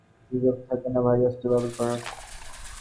তাঁদের ভারী অস্ত্র ব্যবহার করার সুযোগ থাকে না।